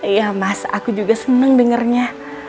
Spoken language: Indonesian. iya mas aku juga senang dengarnya